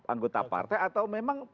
anggota partai atau memang